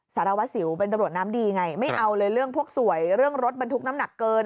สารวัสสิวเป็นตำรวจน้ำดีไงไม่เอาเลยเรื่องพวกสวยเรื่องรถบรรทุกน้ำหนักเกิน